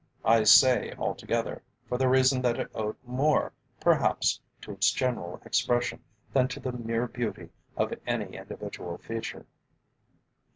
I say altogether, for the reason that it owed more, perhaps, to its general expression than to the mere beauty of any individual feature.